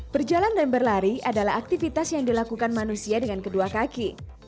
berjalan dan berlari adalah aktivitas yang dilakukan manusia dengan kedua kaki